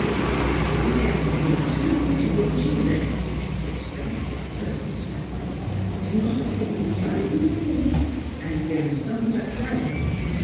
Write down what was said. '' That's what you get from being too good to your children," she explained to the perturbed Mrs. Pettibone. '' You want to take 'em right in the beginnin' an' give 'em somethin' to cry for.